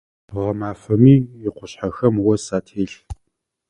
Гъэмафэми икъушъхьэхэм ос ателъ.